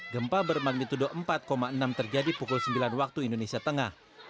gempa bermagnitudo empat enam terjadi pukul sembilan waktu indonesia tengah